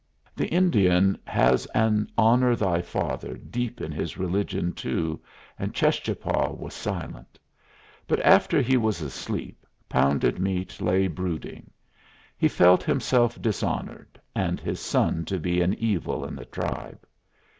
The Indian has an "honor thy father" deep in his religion too, and Cheschapah was silent. But after he was asleep, Pounded Meat lay brooding. He felt himself dishonored, and his son to be an evil in the tribe.